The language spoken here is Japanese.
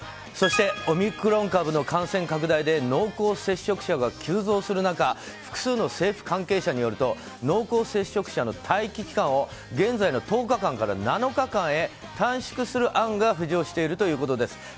そしてオミクロン株の感染拡大で濃厚接触者が急増する中複数の政府関係者によると濃厚接触者の待機期間を現在の１０日間から７日間へ短縮する案が浮上しているということです。